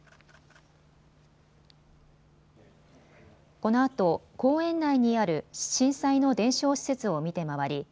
このあと、公園内にある震災の伝承施設を見て回り